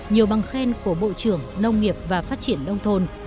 nhiều bằng khen của bộ trưởng nông nghiệp và phát triển nông thôn